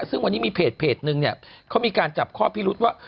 ซึ่งวันนี้มีเพจนึงเนี่ยเขามีการจับข้อพิรุษว่า